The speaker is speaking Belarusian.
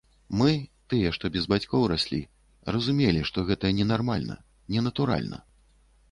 Мы, тыя, што без бацькоў раслі, разумелі, што гэта ненармальна, ненатуральна.